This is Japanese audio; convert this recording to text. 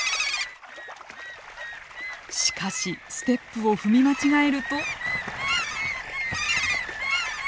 しかしステップを踏み間違えると。